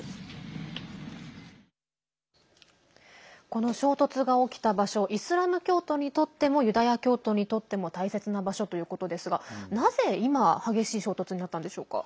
この衝突が起きた場所イスラム教徒にとってもユダヤ教徒にとっても大切な場所ということですがなぜ、今、激しい衝突になったんでしょうか。